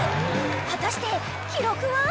［果たして記録は？］